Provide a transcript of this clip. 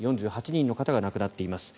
４８人の方が亡くなっています。